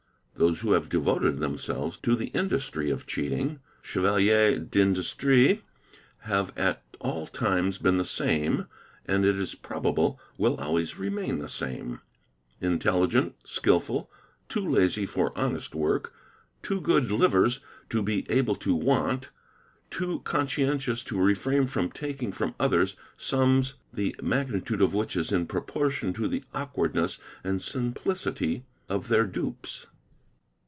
'Those who have devoted themselves to the industry of cheating, "chevaliers dindustrie"', have at all times been the same and it is probable will always remain the same; intelligent, skilful, too lazy for honest work, too good livers to be able to — want, too conscientious to refrain from taking from others sums the magnitude of which is in proportion to the awkwardness and simplicity of their dupes.